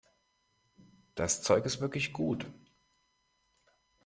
Das Zeug ist wirklich gut.